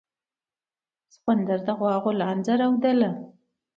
سخوندر د غوا غولانځه رودله.